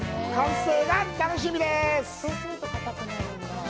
完成が楽しみです。